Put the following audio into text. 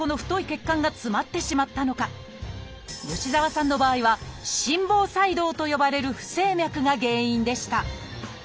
吉澤さんの場合は「心房細動」と呼ばれる不整脈が原因でした。